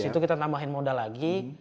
ada tambahan modal lagi